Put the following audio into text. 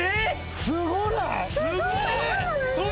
すごない？